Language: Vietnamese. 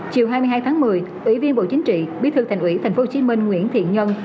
chiều hai mươi hai tháng một mươi ủy viên bộ chính trị bí thư thành ủy tp hcm nguyễn thiện nhân